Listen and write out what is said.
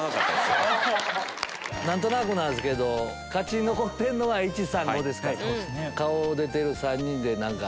何となくなんですけど勝ち残ってるのは１３５ですから。